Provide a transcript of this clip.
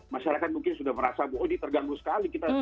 masyarakat mungkin sudah merasa bahwa ini terganggu sekali